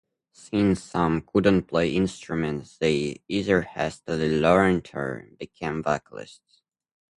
Since some couldn't play instruments, they either hastily learned, or became vocalists.